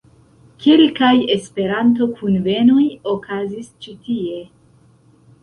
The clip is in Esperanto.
Kelkaj Esperanto-kunvenoj okazis ĉi tie.